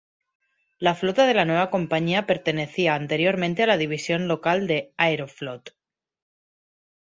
La flota de la nueva compañía pertenecía anteriormente a la división local de Aeroflot.